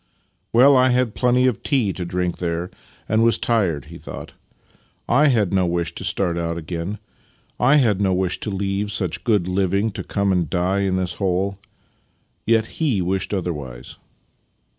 " Well, I had plenty of tea to drink there and was tired," he thought "/ had no wish to start out again. / had no wish to leave such good living to come and die in this hole. Yet he wished otherwise."